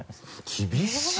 厳しい。